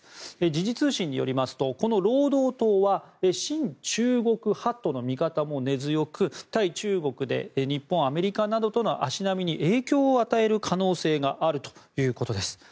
時事通信によりますとこの労働党は親中国派との見方も根強く対中国で日本、アメリカなどとの足並みに影響を与える可能性があるということです。